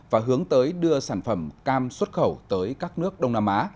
và hướng tới đưa sản phẩm cam xuất khẩu tới các nước đông nam á